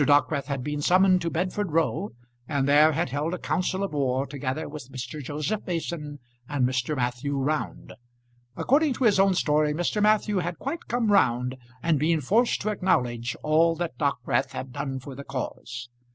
Dockwrath had been summoned to Bedford Row, and there had held a council of war together with Mr. Joseph Mason and Mr. Matthew Round. According to his own story Mr. Matthew had quite come round and been forced to acknowledge all that Dockwrath had done for the cause.